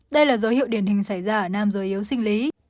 đây là dấu hiệu điển hình xảy ra ở nam giới yếu sinh lý